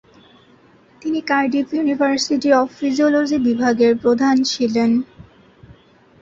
তিনি Cardiff university of physiology বিভাগের প্রধান ছিলেন।